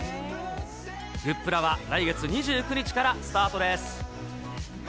グップラは来月２９日からスタートです。